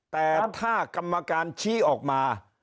แต่ถ้ากรรมการชี้ออกมา